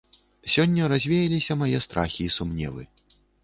Сёння развеяліся мае страхі і сумневы!